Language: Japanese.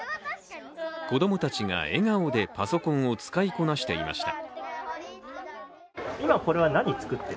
子供たちが笑顔でパソコンを使いこなしていました。